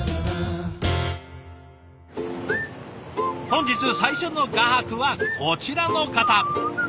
本日最初の画伯はこちらの方。